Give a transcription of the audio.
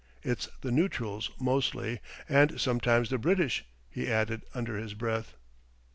It's the neutrals mostly, and sometimes the British," he added under his breath.